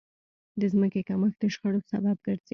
د ځمکې کمښت د شخړو سبب ګرځي.